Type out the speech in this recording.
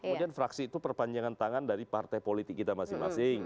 kemudian fraksi itu perpanjangan tangan dari partai politik kita masing masing